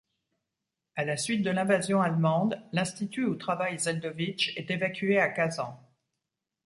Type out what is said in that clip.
À la suite de l'invasion allemande, l'institut où travaille Zeldovitch est évacué à Kazan.